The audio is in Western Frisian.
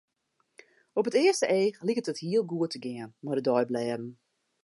Op it earste each liket it hiel goed te gean mei de deiblêden.